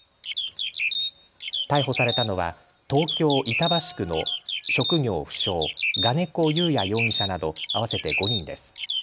逮捕されたのは東京板橋区の職業不詳、我如古祐弥容疑者など合わせて５人です。